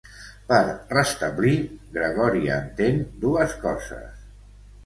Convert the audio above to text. Per "restablir", Gregori entén dues coses.